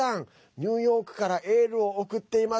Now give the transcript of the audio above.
ニューヨークからエールを送っています。